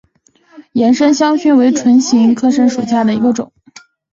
岩生香薷为唇形科香薷属下的一个种。